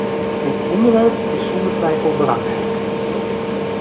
Dit onderwerp is zonder twijfel belangrijk.